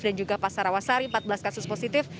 dan juga pasar awasari empat belas kasus positif